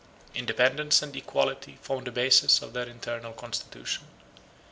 Independence and equality formed the basis of their internal constitution.